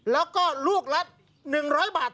แล้วก็ลูกละ๑๐๐บาทเท่านั้น